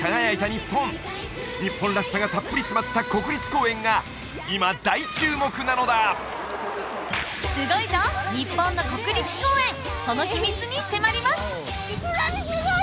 日本らしさがたっぷり詰まった国立公園が今大注目なのだすごいぞ日本の国立公園その秘密に迫ります